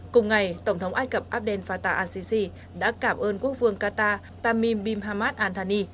cùng ngày tổng thống ai cập abdel fattah al sisi đã cảm ơn quốc phương qatar tamim bimhamad al thani